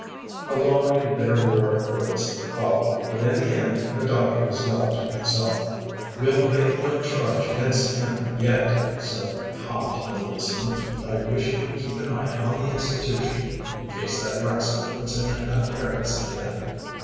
A long and bitter war of words followed, but in the end the doctor was left to himself. "We'll make no charge against him yet," said Tom to the policeman. "But I wish you would keep an eye on the institution in case that rascal puts in an appearance again."